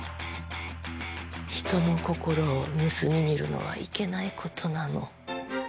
人の心を盗み見るのはいけないことなの。